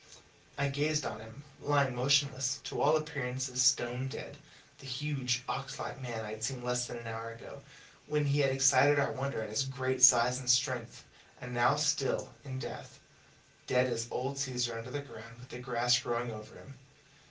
I gazed on him lying motionless, to all appearances stone dead the huge, ox like man I had seen less than an hour ago, when he had excited our wonder at his great size and strength, and now still in death dead as old Caesar under the ground with the grass growing over him!